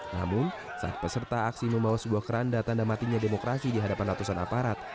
namun saat peserta aksi membawa sebuah keranda tanda matinya demokrasi di hadapan ratusan aparat